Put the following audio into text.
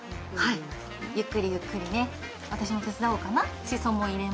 ゆっくりゆっくり、私も手伝おうかな。